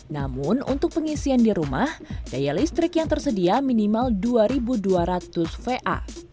namun untuk pengisian di rumah daya listrik yang tersedia minimal dua dua ratus va